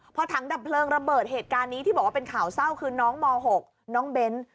พอถังดับเพลิงระเบิดเหตุการณ์นี้ที่บอกว่าเป็นข่าวเศร้าคือน้องม๖น้องเบ้น